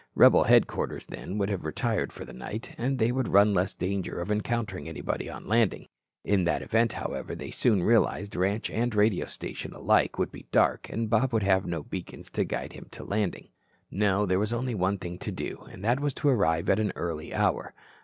Rebel headquarters then would have retired for the night, and they would run less danger of encountering anybody on landing. In that event, however, they soon realized, ranch and radio station alike would be dark and Bob would have no beacons to guide him to a landing. No, there was only one thing to do, and that was to arrive at an early hour.